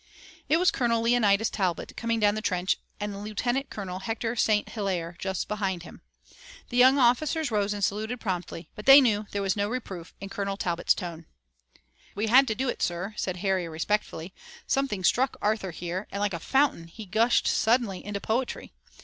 It was Colonel Leonidas Talbot, coming down the trench, and Lieutenant Colonel Hector St. Hilaire was just behind him. The young officers rose and saluted promptly, but they knew there was no reproof in Colonel Talbot's tone. "We had to do it, sir," said Harry respectfully. "Something struck Arthur here, and like a fountain he gushed suddenly into poetry.